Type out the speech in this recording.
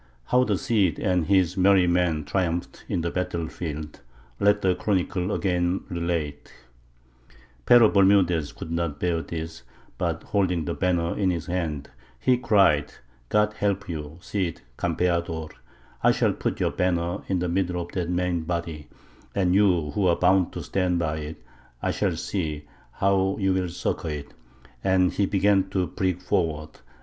How the Cid and his merry men triumphed in the battle field, let the Chronicle again relate: "Pero Bermudez could not bear this, but holding the banner in his hand, he cried, God help you, Cid Campeador; I shall put your banner in the middle of that main body; and you who are bound to stand by it I shall see how you will succour it. And he began to prick forward.